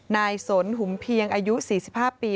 นายสนหุมเพียงอายุ๔๕ปี